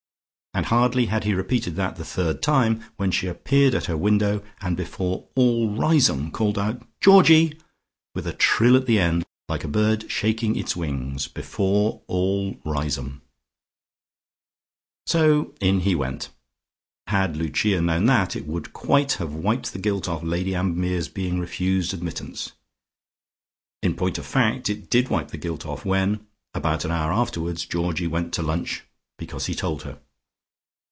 And hardly had he repeated that the third time, when she appeared at her window, and before all Riseholme called out "Georgie!" with a trill at the end, like a bird shaking its wings. Before all Riseholme! So in he went. Had Lucia known that, it would quite have wiped the gilt off Lady Ambermere's being refused admittance. In point of fact it did wipe the gilt off when, about an hour afterwards, Georgie went to lunch because he told her.